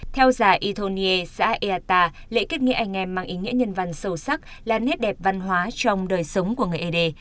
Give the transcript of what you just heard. theo giả ytonie zaeata lễ kết nghĩa anh em mang ý nghĩa nhân văn sâu sắc là nét đẹp văn hóa trong đời sống của người ế đê